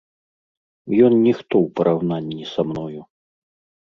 Ён ніхто ў параўнанні са мною.